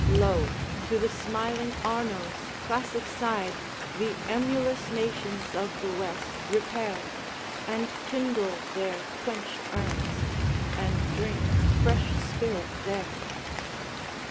Lo! to the smiling Arno's classic side The emulous nations of the West repair, And kindle their quenched urns, and drink fresh spirit there.